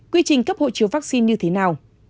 quy trình cấp hộ chiếu vaccine như thế nào